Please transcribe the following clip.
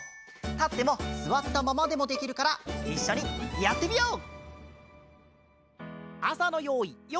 たってもすわったままでもできるからいっしょにやってみよう！